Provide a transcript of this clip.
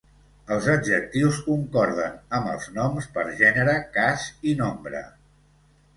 Els adjectius concorden amb els noms per gènere, cas, i nombre.